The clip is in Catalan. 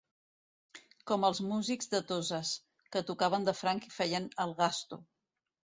Com els músics de Toses, que tocaven de franc i feien el «gasto».